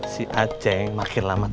si aceh makin lama